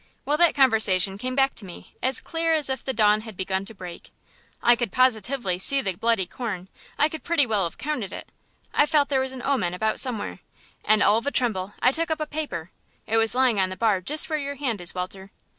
Well, that conversation came back to me as clear as if the dawn had begun to break. I could positively see the bloody corn; I could pretty well 'ave counted it. I felt there was an omen about somewhere, and all of a tremble I took up the paper; it was lying on the bar just where your hand is, Walter.